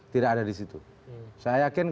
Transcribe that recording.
tidak ada di situ saya yakin